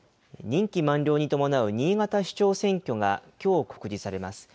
任期満了に伴う新潟市長選挙がきょう告示されます。